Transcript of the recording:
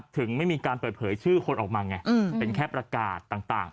ถึงไม่มีการเปิดเผยชื่อคนออกมาไงเป็นแค่ประกาศต่าง